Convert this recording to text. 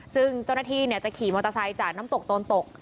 ซึ่งเจ้าหน้าที่จะขี่มอเตอร์ไซค์จากน้ำตกโตนตก